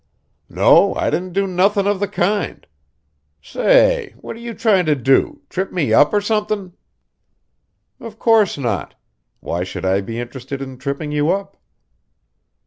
"No, I didn't do nothin' of the kind. Say, what are you tryin' to do trip me up or somethin'?" "Of course not. Why should I be interested in tripping you up?"